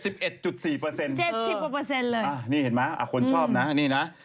๗๑เปอร์เซ็นต์เลย